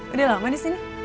udah lama disini